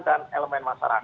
dan elemen masyarakat